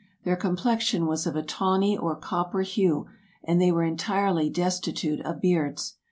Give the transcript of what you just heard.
Their com plexion was of a tawny or copper hue, and they were en tirely destitute of beards.